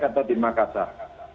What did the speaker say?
atau di makassar